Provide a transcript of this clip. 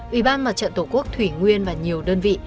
ủy ban mặt trận tổ quốc thủy nguyên và nhiều đơn vị